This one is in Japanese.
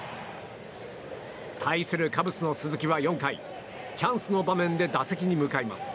対するカブスの鈴木は４回チャンスの場面で打席に向かいます。